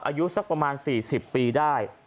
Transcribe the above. อายุสักประมาณ๔๐ปีได้